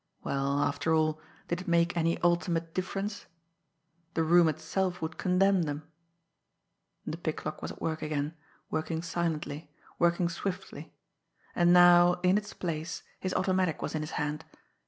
Well, after all, did it make any ultimate difference? The room itself would condemn them! The picklock was at work again working silently working swiftly. And now, in its place, his automatic was in his hand.